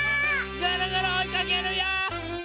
ぐるぐるおいかけるよ！